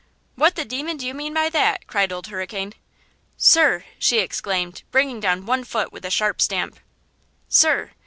"What the demon do you mean by that?" cried Old Hurricane. "Sir!" she exclaimed, bringing down one foot with a sharp stamp; "sir!